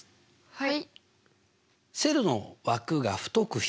はい。